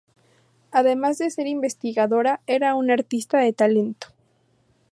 Además de ser investigadora, era una artista de talento.